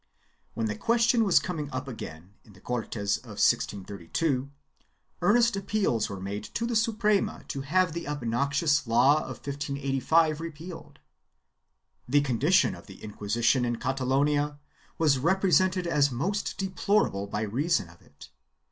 3 When the question was coming up again in the Cortes of 1632, earnest appeals were made to the Suprema to have the obnoxious law of 1585 repealed. The condition of the Inquisi tion in Catalonia was represented as most deplorable by reason of it.